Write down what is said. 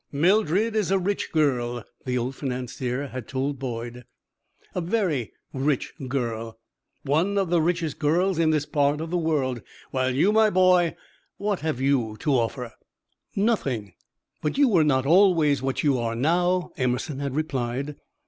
"Mildred is a rich girl," the old financier had told Boyd, "a very rich girl; one of the richest girls in this part of the world; while you, my boy what have you to offer?" "Nothing! But you were not always what you are now," Emerson had replied.